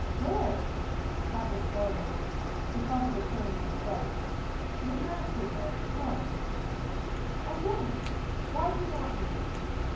"Where?" Pat was startled; she felt a recurrence of fright. "No matter where. Come." "I won't! Why do you want me?"